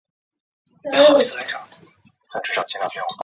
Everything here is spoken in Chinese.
黑鳞远轴鳞毛蕨为鳞毛蕨科鳞毛蕨属下的一个种。